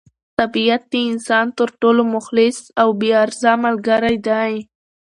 طبیعت د انسان تر ټولو مخلص او بې غرضه ملګری دی.